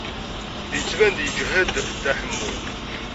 Yettban-d yeǧhed Dda Ḥemmu.